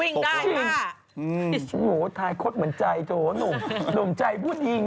นี่มันเหมือนกับอีกซูมเยอะไปหน่อย